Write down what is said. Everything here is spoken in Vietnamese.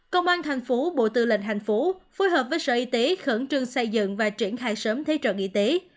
công an tp bộ tư lệnh tp phối hợp với sở y tế khẩn trương xây dựng và triển khai sớm thế trợ y tế